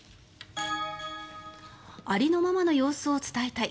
ありのままの様子を伝えたい